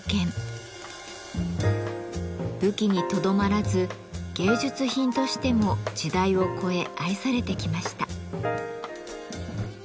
武器にとどまらず芸術品としても時代を超え愛されてきました。